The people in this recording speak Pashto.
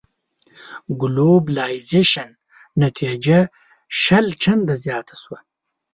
ګلوبلایزېشن نتيجه شل چنده زياته شوه.